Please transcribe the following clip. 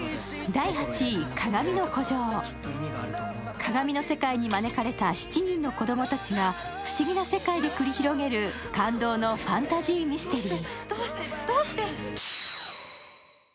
鏡の世界に招かれた７人の子供たちが不思議な世界で繰り広げる感動のファンタジーミステリー。